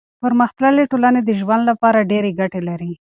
پرمختللي ټولنې د ژوند لپاره ډېر ګټې لري.